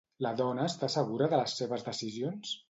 La dona està segura de les seves decisions?